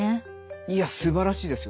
いやすばらしいですよ